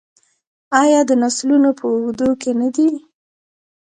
آیا د نسلونو په اوږدو کې نه دی؟